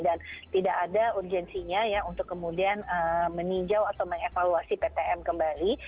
dan tidak ada urgensinya ya untuk kemudian meninjau atau mengevaluasi ptn kembali